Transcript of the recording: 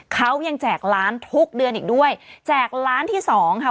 เขายังแจกล้านทุกเดือนอีกด้วยแจกล้านที่สองค่ะ